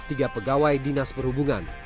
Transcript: tiga pegawai dinas perhubungan